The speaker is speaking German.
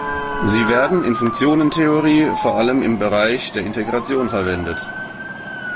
Sie werden in Funktionentheorie vor allem im Bereich der Integration verwendet.